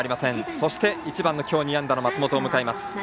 そして、１番今日２安打の松本を迎えます。